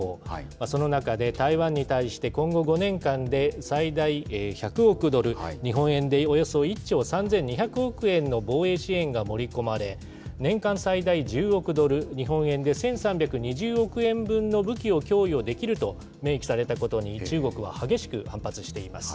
その中で台湾に対して今後５年間で、最大１００億ドル、日本円でおよそ１兆３２００億円の防衛支援が盛り込まれ、年間最大１０億ドル、日本円で１３２０億円分の武器を供与できると明記されたことに、中国は激しく反発しています。